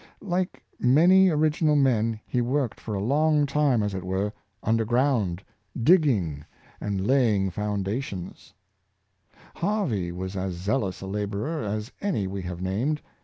Like many original men, he worked for a long time, as it were, un derground, digging and laying foundations Harvey was as zealous a laborer as any we have named.